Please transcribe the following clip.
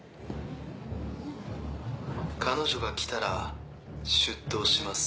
彼女が来たら出頭します。